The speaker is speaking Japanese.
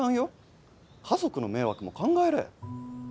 家族の迷惑も考えれ。